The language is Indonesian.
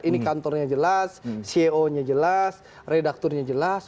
ini kantornya jelas ceo nya jelas redakturnya jelas